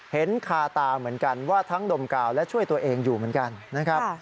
เห็นคาตาเหมือนกันว่าทั้งดมกาวและช่วยตัวเองอยู่เหมือนกันนะครับ